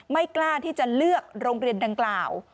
ไม่กล้าที่จะเลือกโรงเรียนดังกล่าว